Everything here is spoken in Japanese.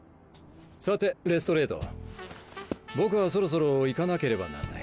さてレストレード僕はそろそろ行かなければならない。